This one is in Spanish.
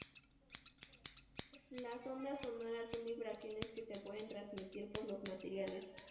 Las ondas sonoras son vibraciones que se pueden transmitir por los materiales.